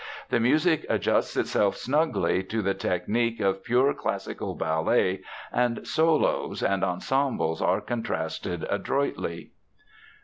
The music adjusts itself snugly to the technic of pure classical ballet and solos and ensembles are contrasted adroitly.